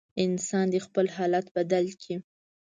انسان دې خپل حالت بدل کړي.